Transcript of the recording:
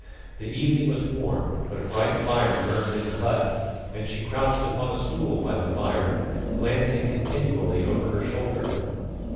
The evening was warm, but a bright fire burned in the hut, and she crouched upon a stool by the fire, glancing continually over her shoulder.